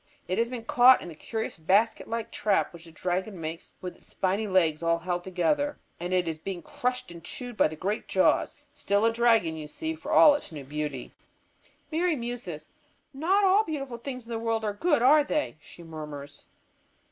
It has been caught in the curious basket like trap which the dragon makes with its spiny legs all held together, and it is being crushed and chewed by the great jaws. Still a dragon, you see, for all of its new beauty!" Mary muses. "Not all beautiful things in the world are good, are they?" she murmurs.